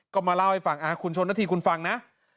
ก็มาเล่าให้ฟังคุณชนนาธีคุณฟังนะ